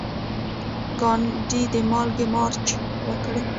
ګاندي د مالګې مارچ وکړ.